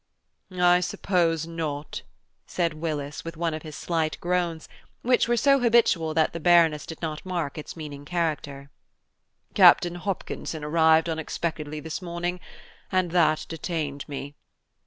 "I suppose not," said Willis, with one of his slight groans, which were so habitual that the Baroness did not mark its meaning character. "Captain Hopkinson arrived unexpectedly this morning, and that detained me."